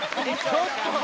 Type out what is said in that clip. ちょっと。